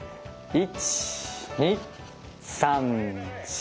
１２３４。